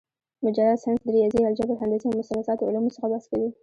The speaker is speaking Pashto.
مجرد ساينس د رياضي ، الجبر ، هندسې او مثلثاتو علومو څخه بحث کوي